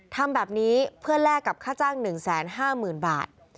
ทำแบบนี้เพื่อแลกกับค่าจ้าง๑๕๐๐๐บาท